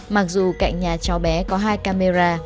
mặc dù cạnh nhà cháu bé có hai camera